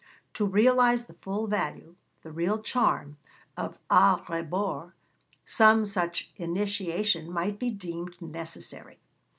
To realise the full value, the real charm, of A Rebours, some such initiation might be deemed necessary.